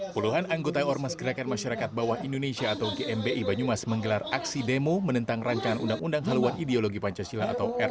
pemerintah dan kuasa sangat biasa